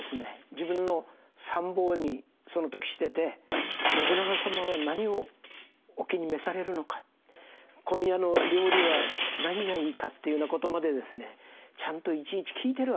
自分の参謀にその時してて信長様は何をお気に召されるのか今夜の料理は何がいいかというようなことまでちゃんといちいち聞いてるわけですね。